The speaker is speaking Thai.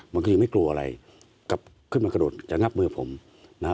มันก็ยังไม่กลัวอะไรกลับขึ้นมากระโดดจะงับมือผมนะฮะ